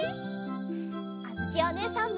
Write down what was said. あづきおねえさんも！